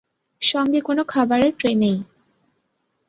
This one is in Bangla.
সঙ্গে কোনো খাবারের ট্রে নেই।